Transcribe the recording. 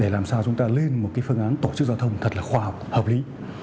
để làm sao chúng ta lên một phương án tổ chức giao thông thật là khoa học hợp lý